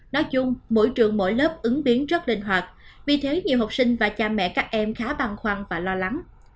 nói chung mỗi trường mỗi lớp ứng biến rất linh hoạt vì thế nhiều học sinh và cha mẹ các em khá băn khoăn và lo lắng